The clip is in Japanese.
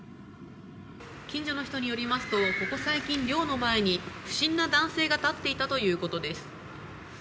近所の人によりますとここ最近、寮の前に不審な男性が立っていたということです。